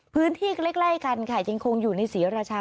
พื้นที่ใกล้กันค่ะยังคงอยู่ในศรีราชา